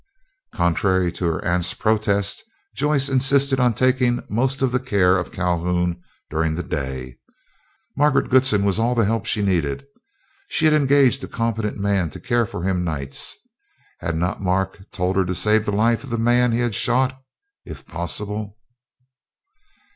Contrary to her aunt's protest, Joyce insisted on taking most of the care of Calhoun during the day. Margaret Goodsen was all the help she needed. She had engaged a competent man to care for him nights. Had not Mark told her to save the life of the man he had shot, if possible?